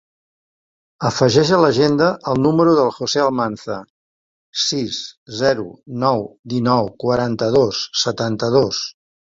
Afegeix a l'agenda el número del José Almanza: sis, zero, nou, dinou, quaranta-dos, setanta-dos.